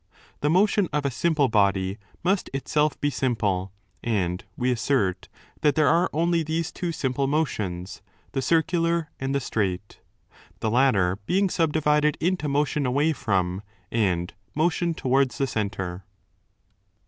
The motion of a simple body must itself be simple, and we assert that there are only these two simple motions, the circular and the straight, the latter being subdivided into 30 motion away from and motion towards the centre.